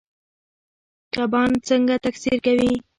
کبان څنګه تکثیر کوي؟